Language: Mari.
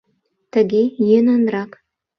Тыге йӧнанрак.